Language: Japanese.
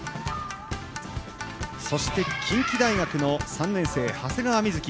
そして、近畿大学の３年生長谷川瑞紀。